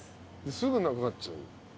すぐなくなっちゃう。